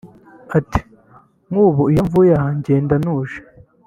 Ati” Nk’ubu iyo mvuye aha ngenda ntatuje